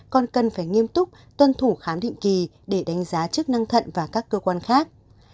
còn cần phải nghiêm túc tuân thủ khám định kỳ để đánh giá chức năng thận và các cơ quan khác